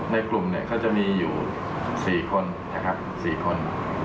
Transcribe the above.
ในกลุ่มเขาจะมีอยู่๔คน